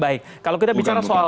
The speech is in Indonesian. baik kalau kita bicara soal